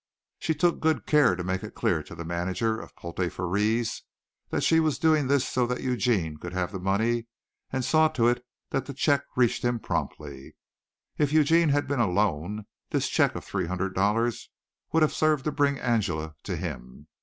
She took good care to make it clear to the manager at Pottle Frères that she was doing this so that Eugene could have the money and saw to it that the check reached him promptly. If Eugene had been alone this check of three hundred dollars would have served to bring Angela to him.